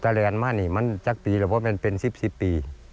โธ่ตะเลียนมานี่มันจากปีละพอเป็น๑๐๑๐ปี